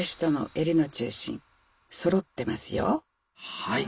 はい。